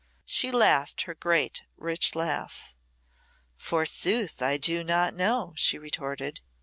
She laughed her great rich laugh. "Forsooth, I do not know," she retorted.